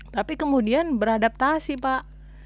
tapi kemudian beradaptasi pak